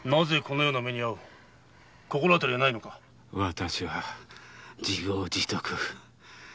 私は自業自得。